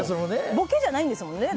ボケじゃないんですもんね。